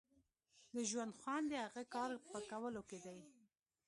د ژوند خوند د هغه کار په کولو کې دی.